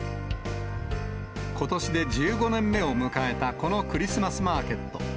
ことしで１５年目を迎えたこのクリスマスマーケット。